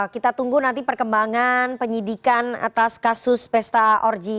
kita tunggu nanti perkembangan penyidikan atas kasus pesta orji